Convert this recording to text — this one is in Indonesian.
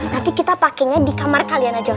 nanti kita pakainya di kamar kalian aja